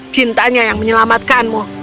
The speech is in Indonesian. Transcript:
cintanya yang menyelamatkanmu